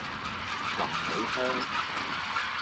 臨尾香